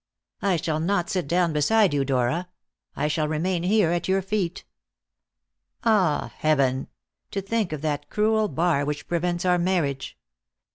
"I shall not sit down beside you, Dora. I shall remain here at your feet. Ah, Heaven! to think of that cruel bar which prevents our marriage!